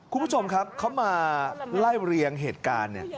คุณผู้ชมครับเขามาไล่เรียงเหตุการณ์เนี่ย